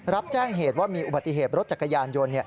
รับแจ้งเหตุว่ามีอุบัติเหตุรถจักรยานยนต์